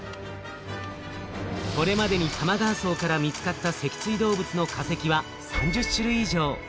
これまでに玉川層から見つかった脊椎動物の化石は３０種類以上。